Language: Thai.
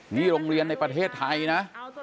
นี่โรงเรียนในประเทศไทยนะ